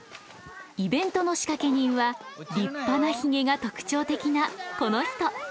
イベントの仕掛け人は立派なひげが特徴的なこの人。